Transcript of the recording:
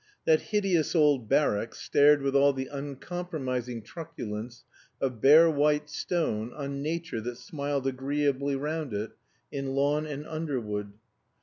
That hideous old barrack stared with all the uncompromising truculence of bare white stone on nature that smiled agreeably round it in lawn and underwood.